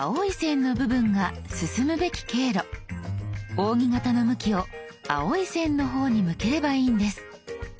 扇形の向きを青い線の方に向ければいいんです。